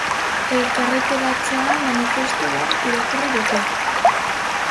Elkarretaratzean manifestu bat irakurri dute.